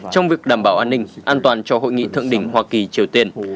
trong việc đảm bảo an ninh an toàn cho hội nghị thượng đỉnh hoa kỳ triều tiên